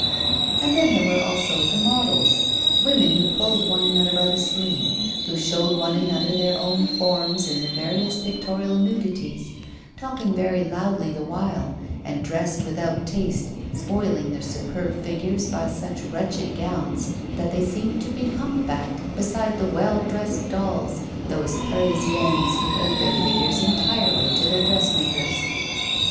And then there were also the models women who pulled one another by the sleeve, who showed one another their own forms in the various pictorial nudities, talking very loudly the while and dressed without taste, spoiling their superb figures by such wretched gowns that they seemed to be hump backed beside the well dressed dolls those Parisiennes who owed their figures entirely to their dressmakers.